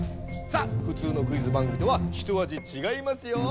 さあふつうのクイズ番組とはひとあじちがいますよ。